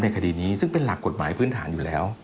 คดีนี้ซึ่งเป็นหลักกฎหมายพื้นฐานอยู่แล้ว